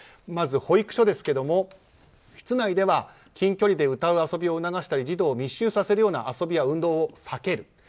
まず保育所ですけれども室内では近距離で歌う遊びを促したり児童を密集させるような遊びや運動を避ける。